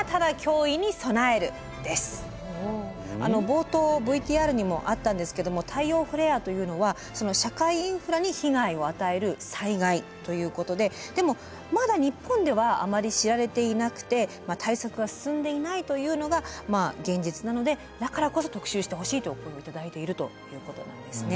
冒頭ＶＴＲにもあったんですけども太陽フレアというのは社会インフラに被害を与える災害ということででもまだ日本ではあまり知られていなくて対策が進んでいないというのが現実なのでだからこそ特集してほしいとお声を頂いているということなんですね。